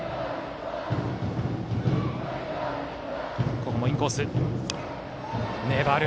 ここもインコース、粘る。